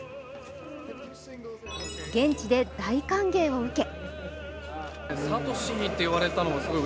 現地で大歓迎を受け